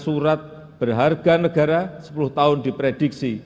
surat berharga negara sepuluh tahun diprediksi